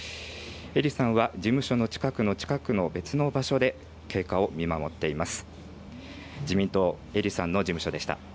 英利さんは、事務所の近くの別の場所で経過を見守っています。